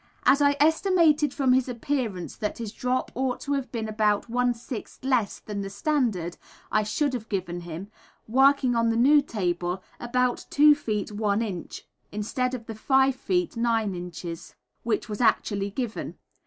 As I estimated from his appearance that his drop ought to have been about one sixth less than the standard, I should have given him, working on this new table, about 2 ft. 1 in. instead of the 5 ft. 9 in. which was actually given.